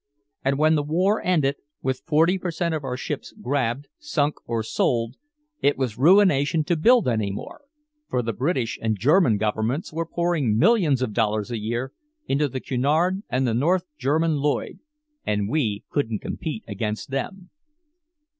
And when the war ended, with forty per cent of our ships grabbed, sunk or sold, it was ruination to build any more, for the British and German governments were pouring millions of dollars a year into the Cunard and the North German Lloyd, and we couldn't compete against them.